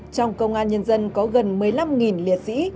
trong công an nhân dân có gần một mươi năm liệt sĩ